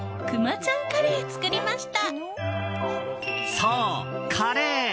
そう、カレー。